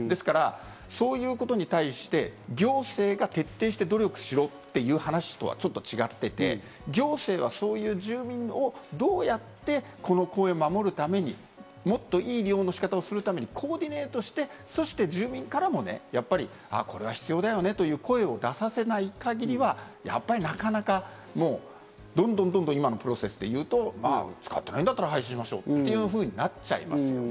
そういうことに対して行政が徹底して努力しろっていう話とはちょっと違っていて、行政はそういう住民をどうやってこの公園を守るためにもっといい利用の仕方をするためにコーディネートして、そして住民からもああ、これは必要だよねという声を出させない限りはやっぱりなかなかどんどん今のプロセスでいうと、使ってないなら廃止しましょうっていうふうになっちゃいますよね。